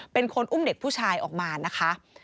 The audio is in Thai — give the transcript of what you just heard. เป็นคนอุ้มเด็กผู้ชายออกมานะคะ